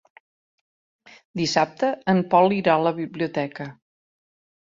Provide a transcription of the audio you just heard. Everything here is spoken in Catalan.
Dissabte en Pol irà a la biblioteca.